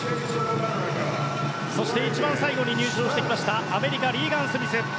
そして一番最後に入場アメリカ、リーガン・スミス。